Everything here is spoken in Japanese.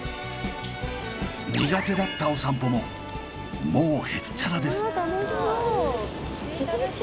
苦手だったお散歩ももうへっちゃらです！